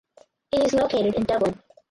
It is located in Dublin.